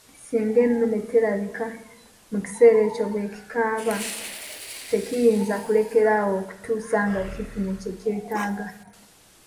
Singa ennume terabika mu kiseera ekyo bwekikaaba tekiyinza kulekeraawo okutuusa nga kifunye kye kyetaaga.